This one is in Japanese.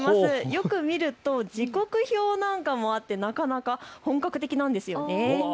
よく見ると時刻なんかもあってなかなか本格的なんです。